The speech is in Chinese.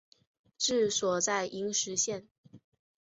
治所在阴石县。